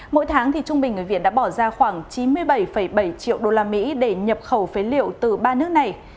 mỗi tháng thì trung bình người việt đã bỏ ra khoảng chín mươi bảy bảy triệu usd để nhập khẩu phế liệu từ ba nước này